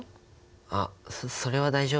あっそれは大丈夫です。